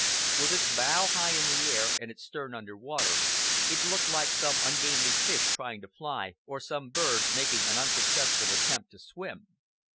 With its bow high in air, and its stern under water, it looked like some ungainly fish trying to fly, or some bird making an unsuccessful attempt to swim.